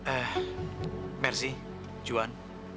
eh merci juan